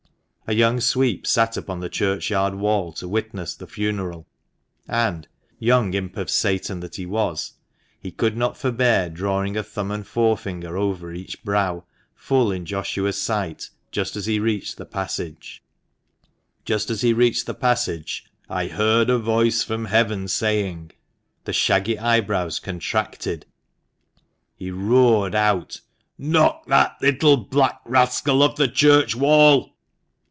A young sweep sat upon the churchyard wall to witness the funeral, and — young imp of Satan that he was !— he could not forbear drawing a thumb and forefinger over each brow, full in Joshua's sight, just as he reached the passage —" I heard a voice from heaven saying " The shaggy eyebrows contracted ; he roared out — "Knock that little black rascal off the church wall!"